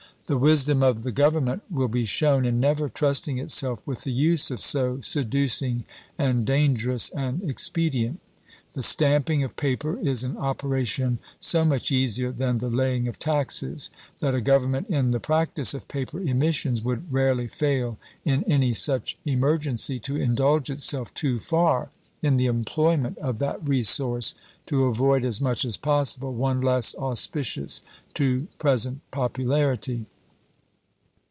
.. The wisdom of the Gov ernment will be shown in never trusting itself with the use of so seducing and dangerous an expedient. .. The stamping of paper is an operation so much easier than the laying of taxes^ that a government in the prac tice of paper emissions would rarely fail in any such emergency to indulge itself too far in the employment of that resource to avoid as much as possible one less auspicious to present popularity.